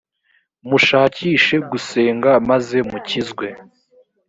mushakishe gusenga maze mukizwe.